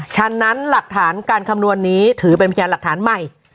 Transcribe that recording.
ฉะนั้นหลักฐานการคำนวณนี้ถือเป็นพยานหลักฐานใหม่